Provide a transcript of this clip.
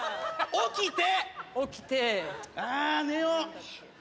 起きて！